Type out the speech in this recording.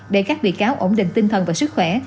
để các bị cáo ổn định tinh thần và sức khỏe